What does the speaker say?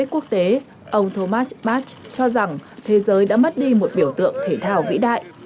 trong cuộc đời quốc tế ông thomas march cho rằng thế giới đã mất đi một biểu tượng thể thao vĩ đại